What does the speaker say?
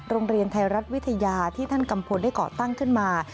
โรงเรียนไทยรัฐวิทยาที่ท่านกัมพลได้ก่อตั้งขึ้นมา